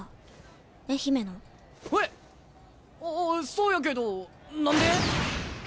そうやけど何で？